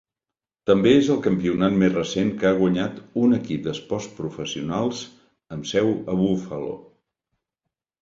També és el campionat més recent que ha guanyat un equip d'esports professionals amb seu a Buffalo.